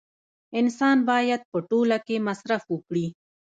انسان باید په ټوله کې مصرف وکړي